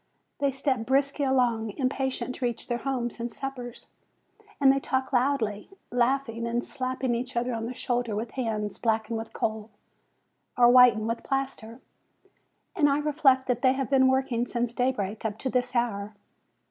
They step briskly along, impatient to reach their homes and suppers, and they talk loudly, laughing and slapping each other on the shoulder with hands blackened with coal, or whitened with plaster; and I reflect that they have been working since daybreak up to this hour.